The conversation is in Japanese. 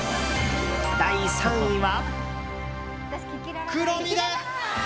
第３位は。